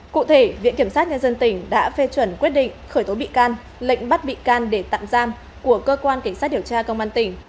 cụ thể viện kiểm sát nhân dân tỉnh đã phê chuẩn quyết định khởi tố bị can lệnh bắt bị can để tạm giam của cơ quan cảnh sát điều tra công an tỉnh